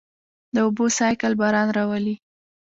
د اوبو سائیکل باران راولي.